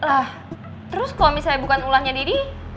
lah terus kalo misalnya bukan ulannya deddy